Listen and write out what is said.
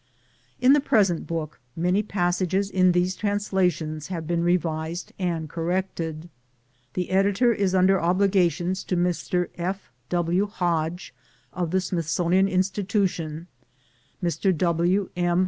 In the present book many passages in these translations have been re vised and corrected. The editor is under obligations to Mr. F. W. Hodge of the Smithsonian Institution, Mr. W. M.